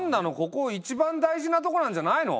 ここ一番大事なとこなんじゃないの？